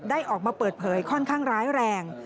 ออกมาเปิดเผยค่อนข้างร้ายแรง